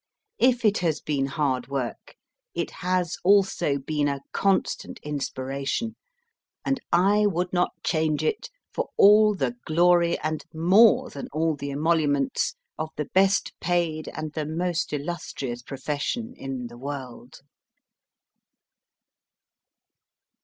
If it has been hard work, it has also been a constant inspiration, and I would not change it for all the glory and more than all the emoluments of the best paid and the most illustrious profession in the world.